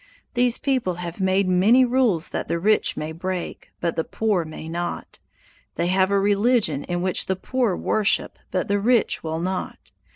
These people have made many rules that the rich may break, but the poor may not! They have a religion in which the poor worship, but the rich will not!